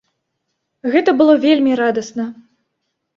Гэта было вельмі радасна.